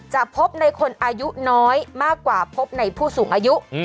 จะพบในคนอายุน้อยมากกว่าพบในผู้สูงอายุ